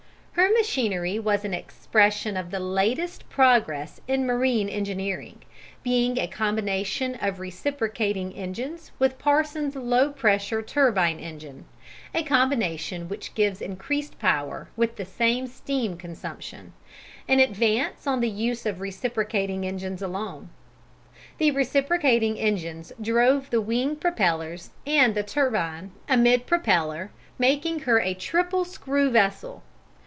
Her machinery was an expression of the latest progress in marine engineering, being a combination of reciprocating engines with Parsons's low pressure turbine engine, a combination which gives increased power with the same steam consumption, an advance on the use of reciprocating engines alone. The reciprocating engines drove the wing propellers and the turbine a mid propeller, making her a triple screw vessel.